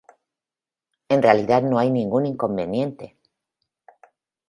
En realidad no hay ningún inconveniente.